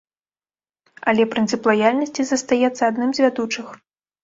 Але прынцып лаяльнасці застаецца адным з вядучых.